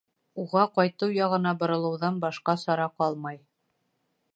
Уға ҡайтыу яғына боролоуҙан башҡа сара ҡалмай.